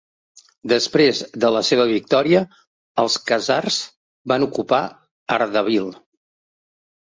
Després de la seva victòria, els khazars van ocupar Ardabil.